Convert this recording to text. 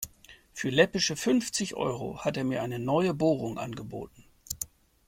Für läppische fünfzig Euro hat er mir eine neue Bohrung angeboten.